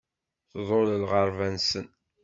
Tḍul lɣerba-nsen.